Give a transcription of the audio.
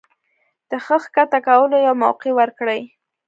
د سر ښکته کولو يوه موقع ورکړي